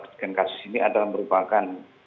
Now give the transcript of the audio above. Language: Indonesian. dengan kasus ini adalah merupakan